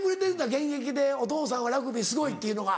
現役でお父さんはラグビーすごいっていうのが。